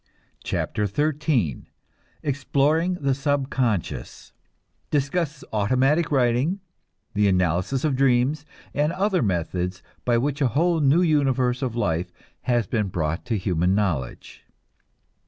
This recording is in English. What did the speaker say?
CHAPTER XIII EXPLORING THE SUBCONSCIOUS (Discusses automatic writing, the analysis of dreams, and other methods by which a whole new universe of life has been brought to human knowledge.)